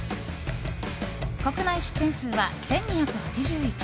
国内出店数は１２８１。